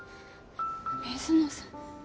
水野さん。